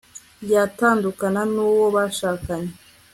ya tandukana nu wo bashakanye